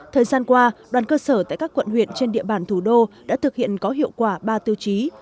thời gian qua đoàn cơ sở tại các quận huyện trên địa bàn thủ đô đã thực hiện có hiệu quả ba tiêu chí